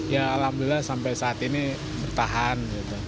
ya alhamdulillah sampai saat ini bertahan